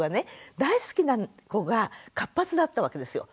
大好きな子が活発だったわけですよ。